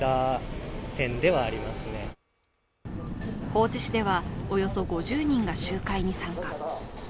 高知市では、およそ５０人が集会に参加。